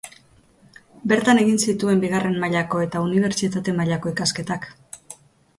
Bertan egin zituen bigarren mailako eta unibertsitate mailako ikasketak.